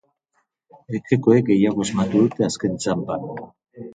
Etxekoek gehiago asmatu dute azken txanpan.